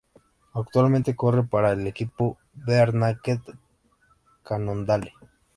Actualmente corre para el equipo "Bear Naked Cannondale".